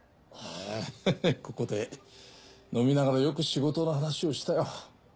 ハハハッここで飲みながらよく仕事の話をしたよ。